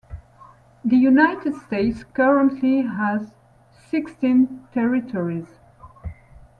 The United States currently has sixteen territories.